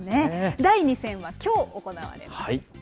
第２戦はきょう行われます。